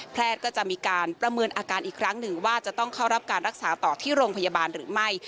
ก็จะมีการประเมินอาการอีกครั้งหนึ่งว่าจะต้องเข้ารับการรักษาต่อที่โรงพยาบาลหรือไม่